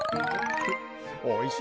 おいしい。